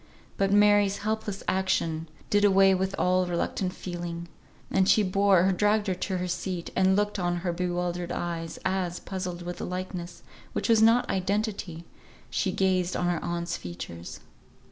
But Mary's helpless action did away with all reluctant feeling, and she bore or dragged her to a seat, and looked on her bewildered eyes, as, puzzled with the likeness, which was not identity, she gazed on her aunt's features.